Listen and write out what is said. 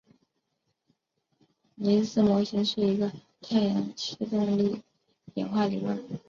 尼斯模型是一个太阳系动力演化理论。